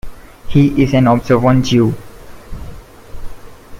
He is an observant Jew.